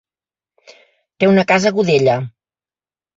Té una casa a Godella.